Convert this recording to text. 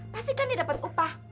pasti kan dia dapat upah